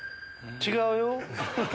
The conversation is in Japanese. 違うよ。